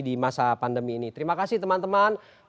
di masa pandemi ini terima kasih teman teman